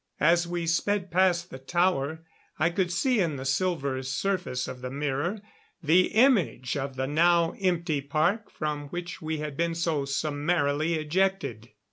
As we sped past the tower I could see in the silver surface of the mirror the image of the now empty park from which we had been so summarily ejected.